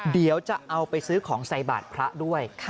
เดี๋ยวจะเอาไปซื้อของใส่บาทพระด้วย